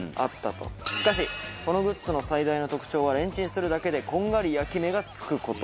しかしこのグッズの最大の特徴はレンチンするだけでこんがり焼き目がつく事。